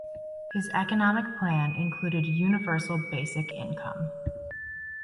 His economic plan included universal basic income.